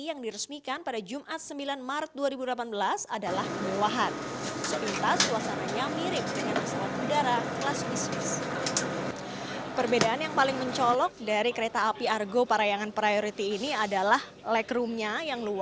yang diresmikan pada jumat sembilan maret dua ribu delapan belas adalah kebawahan